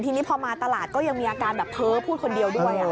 ทีนี้พอมาตลาดก็ยังมีอาการแบบเธอพูดคนเดียวด้วย